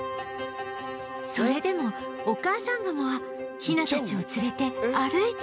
それでもお母さんガモはヒナたちを連れて歩いて行きます